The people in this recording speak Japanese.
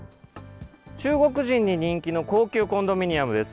中国人に人気の高級コンドミニアムです。